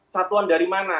satuan dari mana